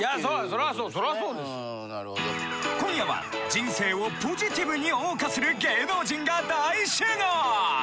今夜は人生をポジティブに謳歌する芸能人が大集合！